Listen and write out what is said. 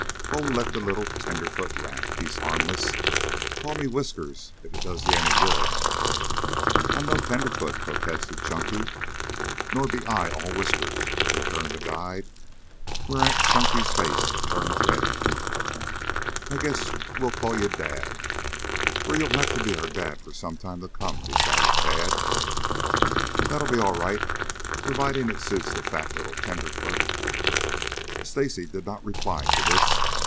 "Oh, let the little tenderfoot rant. He's harmless. Call me Whiskers, if it does ye any good." "I'm no tenderfoot," protested Chunky. "Nor be I all whiskers," returned the guide, whereat Chunky's face turned red. "I guess we'll call you Dad, for you'll have to be our dad for some time to come," decided Tad. "That'll be all right, providing it suits the fat little tenderfoot." Stacy did not reply to this.